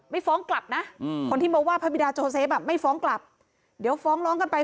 ฟ้องกลับนะคนที่มาว่าพระบิดาโจเซฟอ่ะไม่ฟ้องกลับเดี๋ยวฟ้องร้องกันไป